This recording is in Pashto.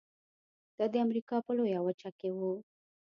دا د امریکا په لویه وچه کې و.